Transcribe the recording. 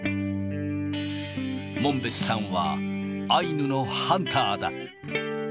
門別さんは、アイヌのハンターだ。